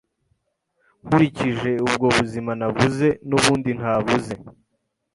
Nkurikije ubwo buzima navuze n’ubundi ntavuze